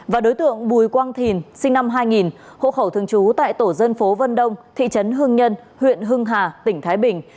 và đối tượng bùi quang thìn sinh năm hai nghìn hộ khẩu thường trú tại tổ dân phố vân đông thị trấn hưng nhân huyện hưng hà tỉnh thái bình